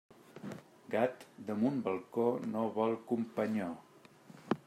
Gat damunt balcó no vol companyó.